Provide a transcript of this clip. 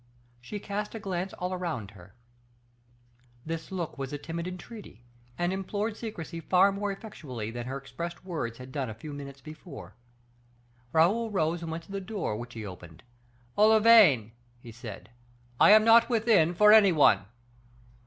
She cast a glance all round her. This look was a timid entreaty, and implored secrecy far more effectually than her expressed words had done a few minutes before. Raoul rouse, and went to the door, which he opened. "Olivain," he said, "I am not within for any one."